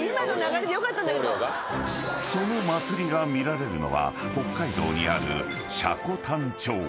［その祭りが見られるのは北海道にある］